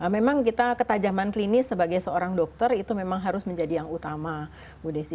memang kita ketajaman klinis sebagai seorang dokter itu memang harus menjadi yang utama bu desi